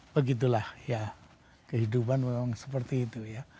begitulah ya kehidupan memang seperti itu ya